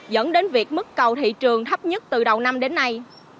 dẫn đến việc mức cầu thị trường thấp nhất từ đầu năm đến nay